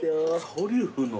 トリュフの。